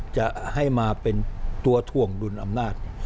จะให้มาเป็นตัวถ่วงดุลอำนาจ